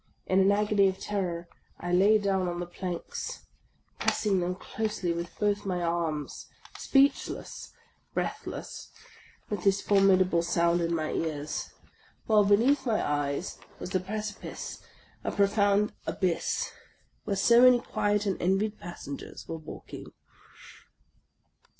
In an agony of terror I lay down on the planks, pressing them closely with both my arms, — speech less, breathless, with this formidable sound in my ears, while 88 THE LAST DAY beneath my eyes. was the precipice, a profound abyss, where so many quiet and envied passengers were walking.